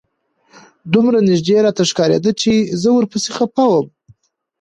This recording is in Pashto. دومره نژدې راته ښکارېده چې زه ورپسې خپه وم.